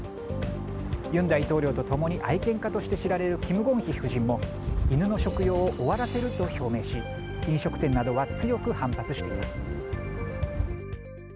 尹大統領と共に愛犬家として知られるキム・ゴンヒ夫人も犬の食用を終わらせると表明し飲食店などは強く反発しています。